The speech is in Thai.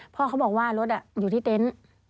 พ่อเขาบอกว่ารถอยู่ที่เต็นต์